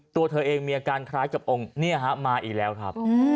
ตัวเธอเองมีอาการคล้ายกับองค์เนี่ยฮะมาอีกแล้วครับ